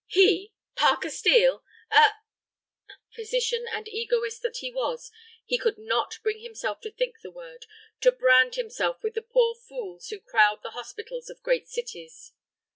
He, Parker Steel, a—! Physician and egoist that he was, he could not bring himself to think the word, to brand himself with the poor fools who crowd the hospitals of great cities.